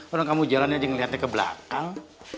orang kamu jalan aja ngeliatnya ke belakang